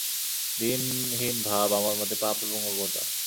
দীন হীন ভাব আমার মতে পাপ এবং অজ্ঞতা।